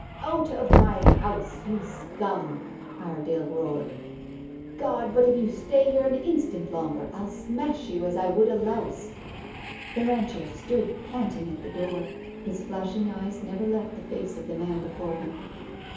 "Out of my house, you scum!" Iredale roared. "God! but if you stay here an instant longer, I'll smash you as I would a louse." The rancher stood panting at the door. His flashing eyes never left the face of the man before him.